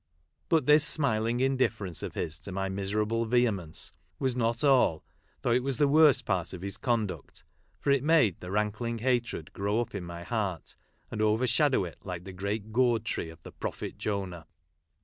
But this smiling indifference of his to my miserable vehemence was not all, though it was the worst part of his conduct, for it made the rankling hatred grow up in my heart, and overshadow it like the great gourd tree of the prophet Jonah.